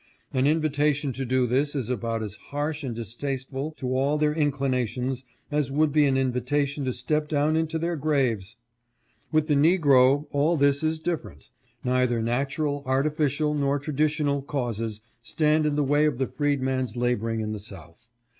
An invi tation to do this is about as harsh and distasteful to all their inclina tions as would be an invitation to step down into their graves. With the negro all this is different. Neither natural, artificial nor tradi tional causes stand in the way of the freedman's laboring in the South.